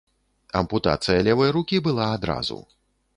Ампутацыя левай рукі была адразу.